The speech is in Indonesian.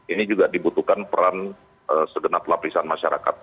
ini juga dibutuhkan peran segenap lapisan masyarakat